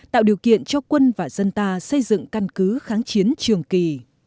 tạo điều kiện cho quân và dân ta xây dựng căn cứ kháng chiến trường kỳ